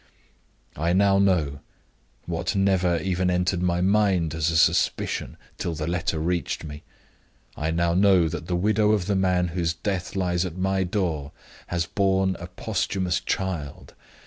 "I now know what never even entered my mind as a suspicion till the letter reached me. I now know that the widow of the man whose death lies at my door has borne a posthumous child.